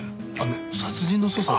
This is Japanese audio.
殺人の捜査は。